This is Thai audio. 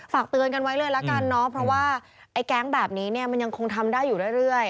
ฝากเตือนกันไว้เลยละกันเนาะเพราะว่าไอ้แก๊งแบบนี้เนี่ยมันยังคงทำได้อยู่เรื่อย